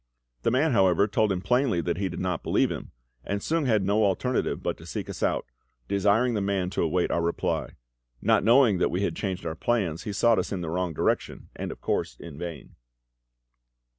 The man, however, told him plainly that he did not believe him, and Sung had no alternative but to seek us out, desiring the man to await our reply. Not knowing that we had changed our plans, he sought us in the wrong direction, and of course in vain.